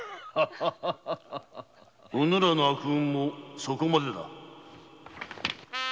・うぬらの悪運もそこまでだ。